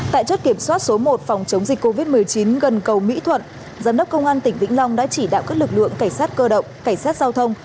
tại chốt kiểm soát số một phòng chống dịch covid một mươi chín gần cầu mỹ thuận giám đốc công an tỉnh vĩnh long đã chỉ đạo các lực lượng cảnh sát cơ động cảnh sát giao thông